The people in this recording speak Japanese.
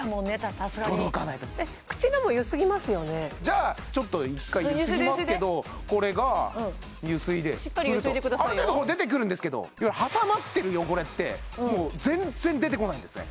さすがに届かないと思いますじゃあちょっと１回ゆすぎますけどこれがゆすいで振るとある程度出てくるんですけど挟まってる汚れってもう全然出てこないんですね